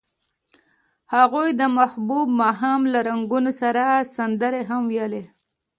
هغوی د محبوب ماښام له رنګونو سره سندرې هم ویلې.